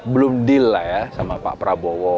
belum deal lah ya sama pak prabowo